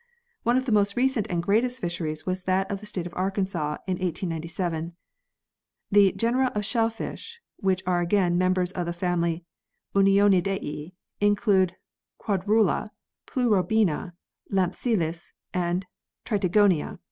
One of the most recent and greatest fisheries was that in the State of Arkansas in 1897. The genera of shellfish (which are again members of the family Unionidae) include Quadrula, Pleurobena, Lampsilis and Tritigonia.